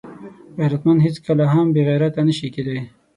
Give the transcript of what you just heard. غیرتمند هیڅکله هم بېغیرته نه شي کېدای